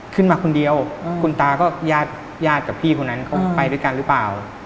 ขึ้นมาคนเดียวคุณตาก็ญาติญาติกับพี่คนนั้นเขาไปด้วยกันหรือเปล่า